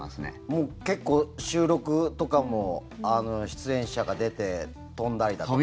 もう結構、収録とかも出演者が出て飛んだりだとか。